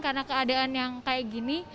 karena keadaan yang kayak gini